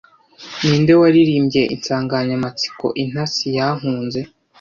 Ninde waririmbye insanganyamatsiko Intasi Yankunze